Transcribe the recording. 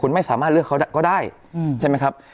คุณไม่สามารถเลือกเขาก็ได้ใช่ไหมครับ